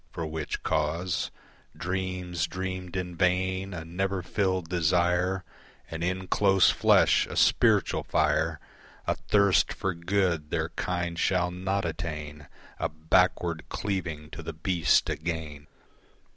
For which cause, Dreams dreamed in vain, a never filled desire And in close flesh a spiritual fire, A thirst for good their kind shall not attain, A backward cleaving to the beast again.